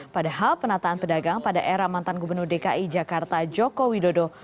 padahal penataan pedagang pada era mantan gubernur dki jakarta joko widodo